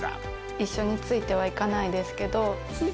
一緒についてはいかないですけど。